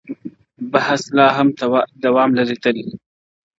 بحث لا هم دوام لري تل-